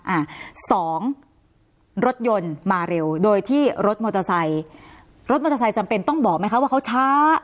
อ่าสองรถยนต์มาเร็วโดยที่รถมอเตอร์ไซค์รถมอเตอร์ไซค์จำเป็นต้องบอกไหมคะว่าเขาช้า